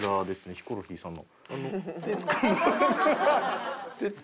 ヒコロヒーさんが。